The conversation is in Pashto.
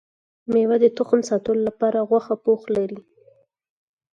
ميوه د تخم ساتلو لپاره غوښه پوښ لري